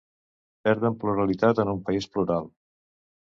Perden pluralitat en un país plural.